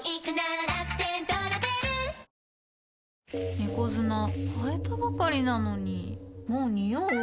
猫砂替えたばかりなのにもうニオう？